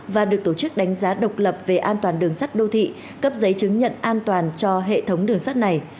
và được tổ chức đánh giá độc lập về an toàn đường sắt đô thị cấp giấy chứng nhận an toàn cho hệ thống đường sắt này